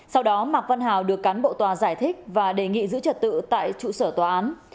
sau đó mạc văn hào được cán bộ tòa giải thích và đề nghị giữ trật tự tại trụ sở tòa án